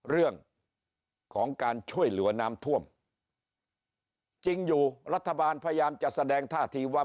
เรื่องของการช่วยเหลือน้ำท่วมจริงอยู่รัฐบาลพยายามจะแสดงท่าทีว่า